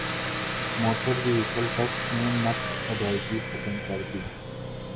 motor vehicle tax میں نقد ادائیگی ختم کردی